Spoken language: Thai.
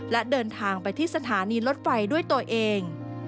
และเดินทางไปที่สถานีรถไฟด้วยตัวเอง